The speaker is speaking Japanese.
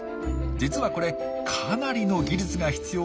実はこれかなりの技術が必要な技。